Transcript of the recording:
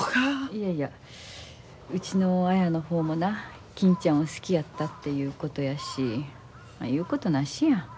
いやいやうちの綾の方もな金ちゃんを好きやったっていうことやし言うことなしや。